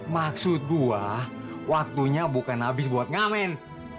maksud gua waktunya bukan abis buat ngamen